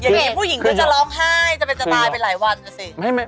อย่างนี้ผู้หญิงก็จะร้องไห้จะไปจะตายไปหลายวัน